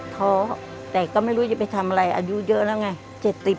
ท้อแต่ก็ไม่รู้จะไปทำอะไรอายุเยอะแล้วไง